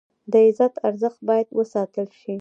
د عزت ارزښت باید وساتل شي.